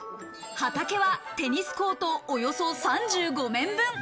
畑はテニスコートおよそ３５面分。